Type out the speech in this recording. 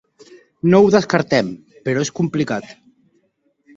No ho descartem però és complicat.